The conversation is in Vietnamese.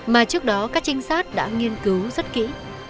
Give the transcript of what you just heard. mà trước đó các trinh sát đã nghiên cứu rất kỹ